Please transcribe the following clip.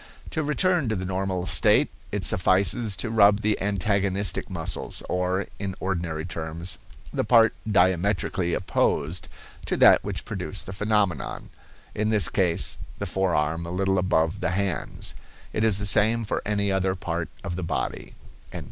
To return to the normal state, it suffices to rub the antagonistic muscles, or, in ordinary terms, the part diametrically opposed to that which produced the phenomenon; in this case, the forearm a little above the hands. It is the same for any other part of the body."